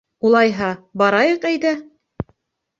— Улайһа, барайыҡ әйҙә.